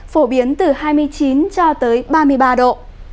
phổ biến từ hai mươi chín cho tới ba mươi ba độ